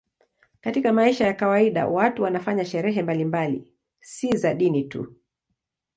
Katika maisha ya kawaida watu wanafanya sherehe mbalimbali, si za dini tu.